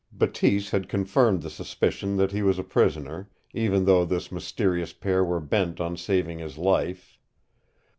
Bateese had confirmed the suspicion that he was a prisoner, even though this mysterious pair were bent on saving his life.